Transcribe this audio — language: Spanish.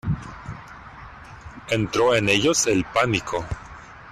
entró en ellos el pánico.